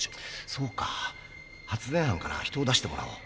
そうか発電班から人を出してもらおう。